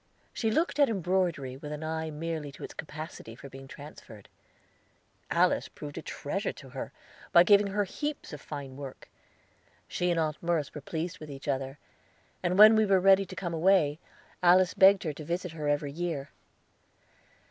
She looked at embroidery with an eye merely to its capacity for being transferred. Alice proved a treasure to her, by giving her heaps of fine work. She and Aunt Merce were pleased with each other, and when we were ready to come away, Alice begged her to visit her every year.